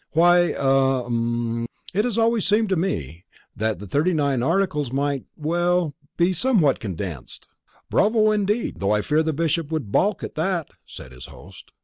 "Why ah hum it has always seemed to me that the thirty nine articles might well be somewhat condensed." "Bravo indeed, though I fear the Bishop would balk at that," said his host.